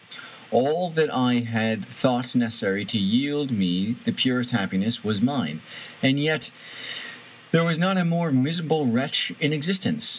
All that I had thought necessary to yield me the purest happiness was mine, and yet there was not a more miserable wretch in existence.